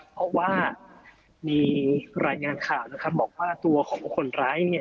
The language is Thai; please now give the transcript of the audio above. เพราะว่ามีรายงานข่าวนะครับบอกว่าตัวของคนร้ายเนี่ย